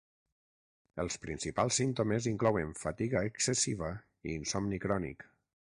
Els principals símptomes inclouen fatiga excessiva i insomni crònic.